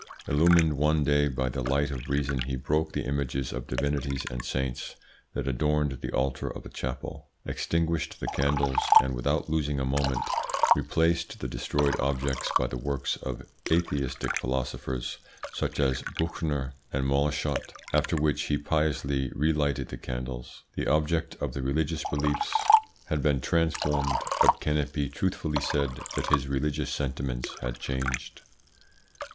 Illumined one day by the light of reason he broke the images of divinities and saints that adorned the altar of a chapel, extinguished the candles, and, without losing a moment, replaced the destroyed objects by the works of atheistic philosophers such as Buchner and Moleschott, after which he piously relighted the candles. The object of his religious beliefs had been transformed, but can it be truthfully said that his religious sentiments had changed?